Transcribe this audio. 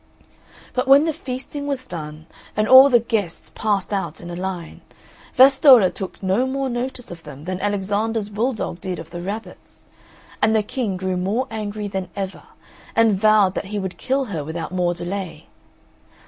But when the feasting was done, and all the guests passed out in a line, Vastolla took no more notice of them than Alexander's bull dog did of the rabbits; and the King grew more angry than ever, and vowed that he would kill her without more delay.